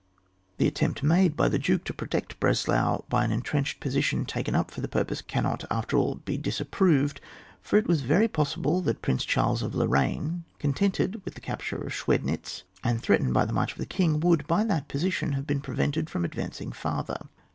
The attempt made by the Duke to protect Breslau by an entrenched posi tion taken up for the purpose, cannot after all be disapproved, for it was very possible that Prince Charles of Lorraine, contented with the capture of Schwednitz, and threatened by the march of the king, would, by that position, have been pre vented from advancing farther.